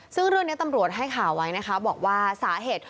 ซึ่งเรื่องนี้ตำรวจให้ข่าวไว้นะคะบอกว่าสาเหตุ